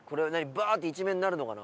バーッて一面になるのかな？